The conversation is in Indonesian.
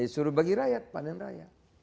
suruh bagi rakyat panen raya